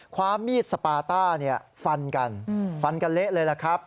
ความมีดสปาต้าฟันกันฟันกันเละเลยล่ะครับ